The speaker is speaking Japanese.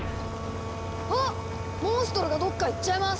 あっモンストロがどっか行っちゃいます！